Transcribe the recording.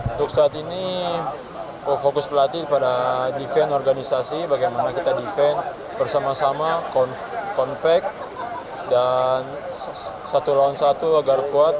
untuk saat ini fokus pelatih pada defen organisasi bagaimana kita defense bersama sama compact dan satu lawan satu agar kuat